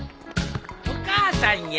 お母さんや。